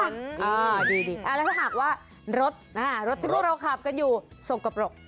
แล้วถ้าหากว่ารถทุกเราขับกันอยู่สกปรก